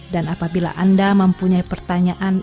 dan apabila anda mempunyai pertanyaan